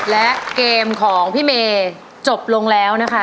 และเกมของพี่เมย์จบลงแล้วนะคะ